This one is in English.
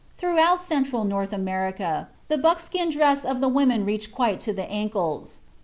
Throughout Central North America the buckskin dress of the women reached quite to the ankles.